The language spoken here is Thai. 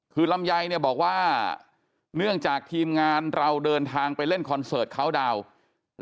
คือลำไยเนี่ยบอกว่าเนื่องจากทีมงานเราเดินทางไปเล่นคอนเสิร์ตเขาดาวน์